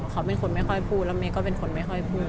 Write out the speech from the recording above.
เขาเป็นคนไม่ค่อยพูดแล้วเมย์ก็เป็นคนไม่ค่อยพูด